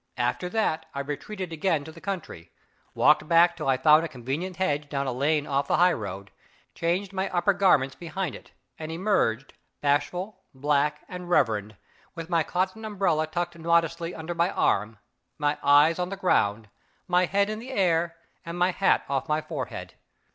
After that I retreated again to the country walked back till I found a convenient hedge down a lane off the highroad changed my upper garments behind it, and emerged, bashful, black, and reverend, with my cotton umbrella tucked modestly under my arm, my eyes on the ground, my head in the air, and my hat off my forehead.